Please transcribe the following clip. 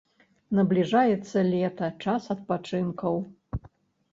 Набліжаецца лета, час адпачынкаў.